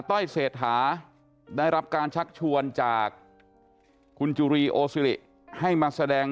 ต้อยเศรษฐาได้รับการชักชวนจากคุณจุรีโอซิริให้มาแสดง